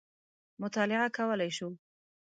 مطالعه کولای شو.